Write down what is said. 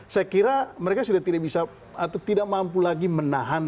saya kira mereka sudah tidak bisa atau tidak mampu lagi menahan